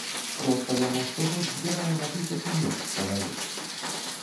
Проста яно штогод збірае на тысячу менш чалавек.